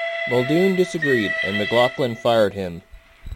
Muldoon disagreed, and McLaughlin fired him.